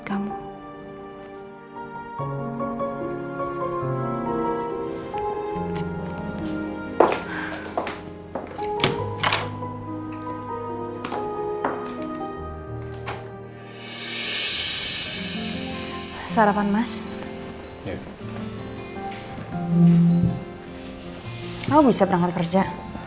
kamu bisa berangkat kerja